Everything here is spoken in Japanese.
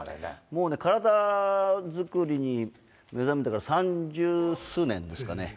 もうね、体作りに目覚めてから三十数年ですかね。